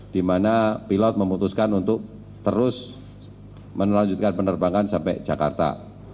di mana pilot memutuskan untuk terus melanjutkan penerbangan sampai jakarta